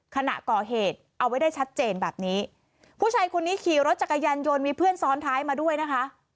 ขณะก่อเหตุเอาไว้ได้ชัดเจนแบบนี้ผู้ชายคนนี้ขี่รถจักรยานยนต์มีเพื่อนซ้อนท้ายมาด้วยนะคะ